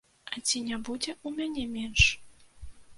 А ці не будзе ў мяне менш?